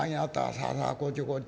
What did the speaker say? さあさあこっちこっち。